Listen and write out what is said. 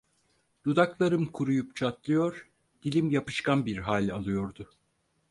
Dudaklarım kuruyup çatlıyor, dilim yapışkan bir hal alıyordu.